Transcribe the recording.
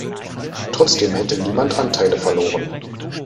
Trotzdem hätte niemand Anteile verloren.